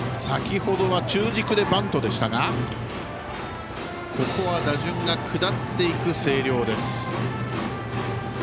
先ほどは中軸でバントでしたがここは打順が下っていく星稜です。